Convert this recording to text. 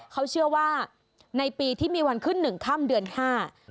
เขาเชื่อว่าในปีที่มีวันขึ้นหนึ่งค่ำเดือนห้า